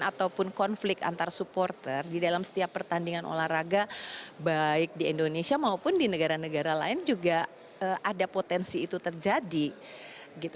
ataupun konflik antar supporter di dalam setiap pertandingan olahraga baik di indonesia maupun di negara negara lain juga ada potensi itu terjadi gitu